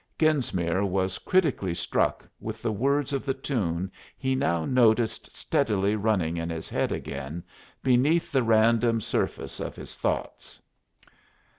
Genesmere was critically struck with the words of the tune he now noticed steadily running in his head again, beneath the random surface of his thoughts.